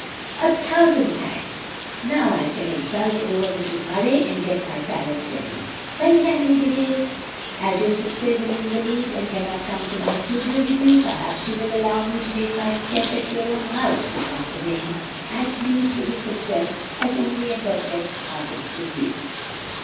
"A thousand thanks! Now I can exult over Mrs. Murray, and get my palette ready. When can we begin? As your sister is an invalid and cannot come to my studio with you, perhaps you will allow me to make my sketch at your own house," said Mr. Vane, as pleased with his success as only a perplexed artist could be.